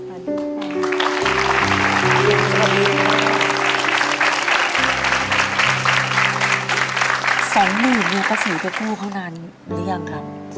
๒หมู่มีพระศรีเพื่อกู้เพราะนานนี้หรือยังครับ